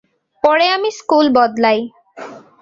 পরে আমি স্কুলে বদলাই।